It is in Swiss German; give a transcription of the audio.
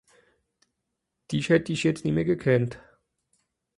Dìch hätt ìch jetzt nemmi gekannt.